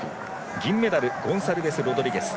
銀メダルゴンサルベスロドリゲス。